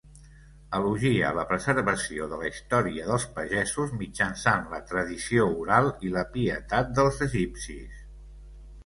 Elogia la preservació de la història dels pagesos mitjançant la tradició oral i la pietat dels egipcis.